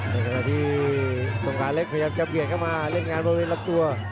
ในขณะที่สงขาเล็กพยายามจะเบียดเข้ามาเล่นงานบริเวณลำตัว